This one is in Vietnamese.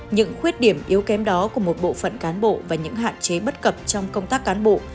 những khuyết điểm yếu kém đó của một bộ phận cán bộ và những hạn chế bất cập trong công tác cán bộ